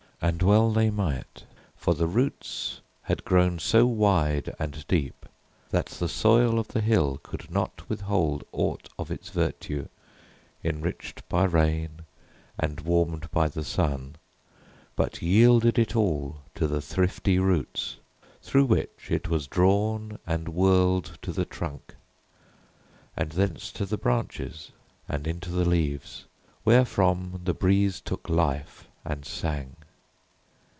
And well they might: For the roots had grown so wide and deep That the soil of the hill could not withhold Aught of its virtue, enriched by rain, And warmed by the sun; But yielded it all to the thrifty roots, Through which it was drawn and whirled to the trunk, And thence to the branches, and into the leaves, Wherefrom the breeze took life and sang.